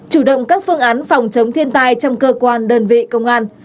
chủ động các phương án phòng chống thiên tai trong cơ quan đơn vị công an